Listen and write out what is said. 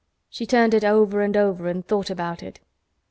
She turned it over and over, and thought about it.